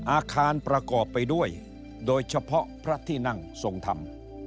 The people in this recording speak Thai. อาคารประกอบไปด้วยโดยเฉพาะพระที่นั่งทรงธรรม